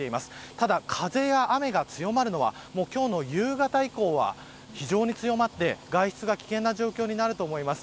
ただ風や雨が強まるのは今日の夕方以降は非常に強まって外出が危険な状況になると思います。